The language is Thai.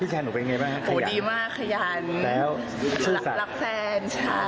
พี่ชายหนูเป็นไงบ้างครับโอ้ดีมากขยันแล้วชื่อสัตว์รักแฟนใช่